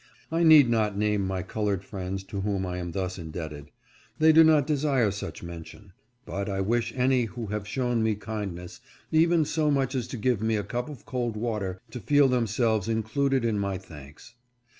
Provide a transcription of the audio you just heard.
I need not name my colored friends to whom I am thus indebted. They do not desire such mention, but I wish any who have shown me kind nes, even so much as to give me a cup of cold water, to feel themselves included in my thanks.